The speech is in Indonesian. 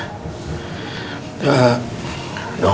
minta bantuan yang berhubungan bisa dibantu